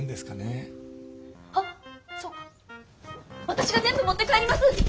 はっじゃあ私が全部持って帰ります。